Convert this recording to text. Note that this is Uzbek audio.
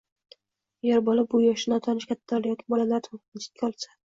agar bola bu yoshda notanish kattalar yoki bolalardan o‘zini chetga olsa